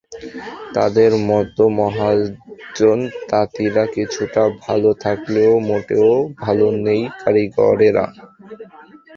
তাঁদের মতো মহাজন তাঁতিরা কিছুটা ভালো থাকলেও মোটেও ভালো নেই কারিগরেরা।